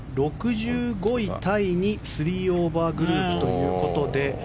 ６５位タイに３オーバーグループということで。